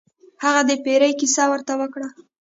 هغه د پیري کیسه ورته وکړه.